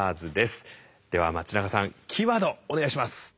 では町永さんキーワードお願いします。